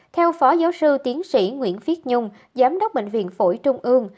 theo phó giáo sư tiến sĩ nguyễn viết nhung giám đốc bệnh viện phổi trung ương